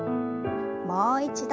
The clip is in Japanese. もう一度。